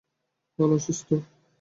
ভাল আছিস তো?